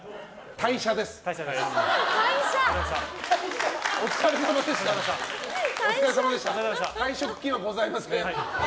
退職金はございません。